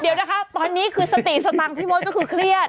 เดี๋ยวนะคะตอนนี้คือสติสตังค์พี่มดก็คือเครียด